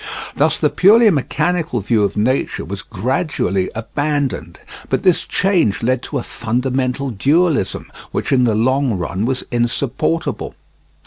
Thus the purely mechanical view of nature was gradually abandoned. But this change led to a fundamental dualism which in the long run was insupportable.